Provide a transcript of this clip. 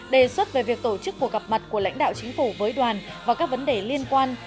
đề xuất về việc tổ chức cuộc gặp mặt của lãnh đạo chính phủ với đoàn và các vấn đề liên quan